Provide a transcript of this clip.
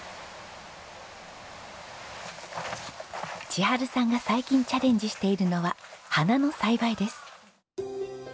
千春さんが最近チャレンジしているのは花の栽培です。